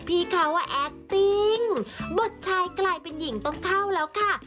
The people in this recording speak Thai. พี่เขาว่าแอคติ้งบทชายกลายเป็นหญิงต้องเข้าแล้วค่ะ